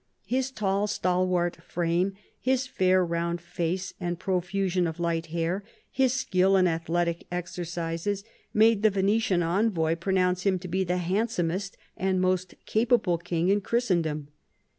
His tall stalwart frame, his fair round face and pro fusion of light hair, his skill in athletic exercises, made the Venetian envoy pronounce him to be the handsomest and most capable king in Christendom.